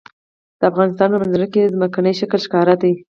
د افغانستان په منظره کې ځمکنی شکل ښکاره دی.